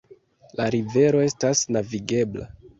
La rivero estas navigebla.